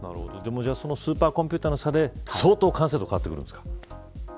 スーパーコンピューターの差で相当、完成度は変わってくるんですか。